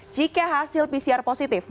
jika hasil pcr positif